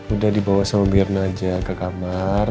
udah dibawa sama mirna aja ke kamar